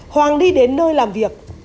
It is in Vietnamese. hoàng đi đến nơi làm việc